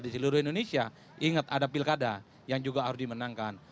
jadi seluruh indonesia ingat ada pilkada yang juga harus dimenangkan